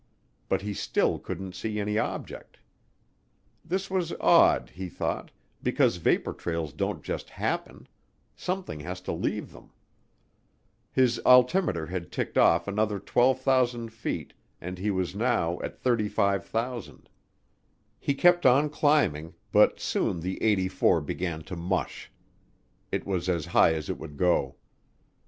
But he still couldn't see any object. This was odd, he thought, because vapor trails don't just happen; something has to leave them. His altimeter had ticked off another 12,000 feet and he was now at 35,000. He kept on climbing, but soon the '84 began to mush; it was as high as it would go.